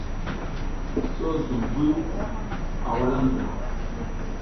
So zum buy a wuzla ndra.